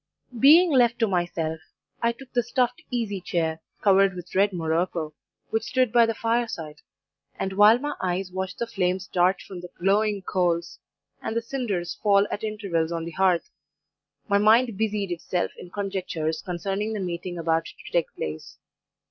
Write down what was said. "Being left to myself, I took the stuffed easy chair, covered with red morocco, which stood by the fireside, and while my eyes watched the flames dart from the glowing coals, and the cinders fall at intervals on the hearth, my mind busied itself in conjectures concerning the meeting about to take place.